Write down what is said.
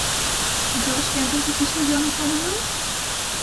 George ক্যান্টরকে কিসের জনক বলা হয়?